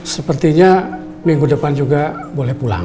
sepertinya minggu depan juga boleh pulang